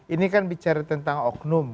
ini kan bicara tentang oknum